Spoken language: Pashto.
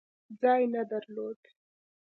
ځای نه درلود.